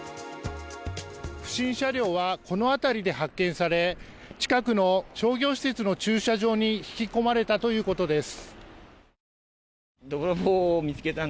不審車両はこの辺りで発見され近くの商業施設の駐車場に引き込まれたということです。